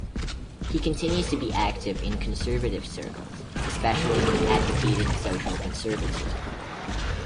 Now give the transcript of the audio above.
He continues to be active in conservative circles, especially in advocating social conservatism.